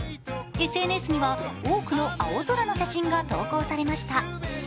ＳＮＳには多くの青空の写真が投稿されました。